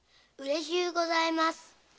うれしゅうございます。